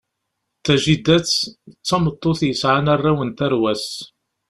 Tajidat d tameṭṭut yesɛan arraw n tarwa-s.